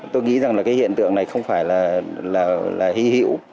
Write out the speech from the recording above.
tôi nghĩ rằng là cái hiện tượng này không phải là hy hữu